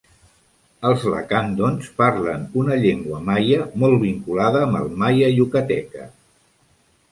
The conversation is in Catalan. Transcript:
Els lacandons parlen una llengua maia molt vinculada amb el maia yucateca.